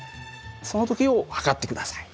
その時を計って下さい。